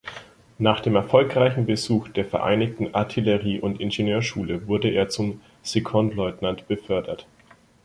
Nach dem erfolgreichen Besuch der Vereinigten Artillerie- und Ingenieurschule wurde er zum Sekondeleutnant befördert.